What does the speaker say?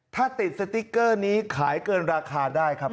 ถ้าติดสติ๊กเกอร์นี้ขายเกินราคาได้ครับ